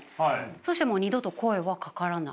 そうしたらもう二度と声はかからない。